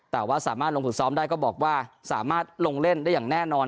แต่ว่าสามารถลงฝึกซ้อมได้ก็บอกว่าสามารถลงเล่นได้อย่างแน่นอน